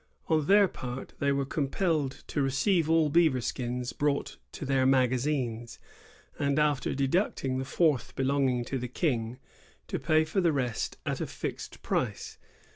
On their part they were compelled to receive all beaver skins brought to their magazines, and, after deducting the fourth belonging to the King, to pay for the rest at a fixed price.